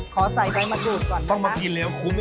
ขอใส่ไปมาดูดก่อนนะครับ